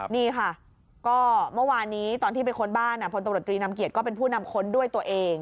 นี่ค่ะก็เมื่อวานนี้ตอนที่ไปค้นบ้านพลตำรวจตรีนำเกียจก็เป็นผู้นำค้นด้วยตัวเอง